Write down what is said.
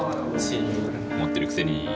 ・持ってるくせに。